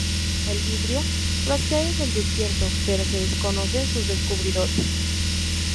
El vidrio procede del desierto, pero se desconocen sus descubridores.